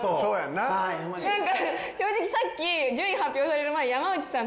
なんか正直さっき順位発表される前山内さん